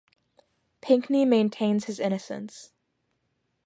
Pinkney maintains his innocence.